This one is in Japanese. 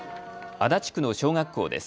足立区の小学校です。